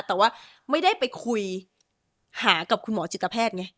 แต่ว่าไม่ได้ไปคุยหากับคุณหมอจิตแพทย์ไง